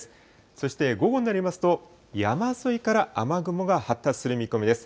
そして午後になりますと、山沿いから雨雲が発達する見込みです。